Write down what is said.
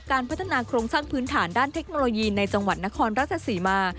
การพัฒนาโครงสร้างพื้นฐานด้านเทคโนโลยีในจังหวัดนครราชศรีมา